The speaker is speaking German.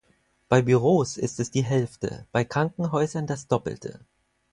Bei Büros ist es die Hälfte, bei Krankenhäusern das Doppelte.